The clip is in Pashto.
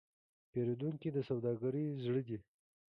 پیرودونکی د سوداګرۍ زړه دی.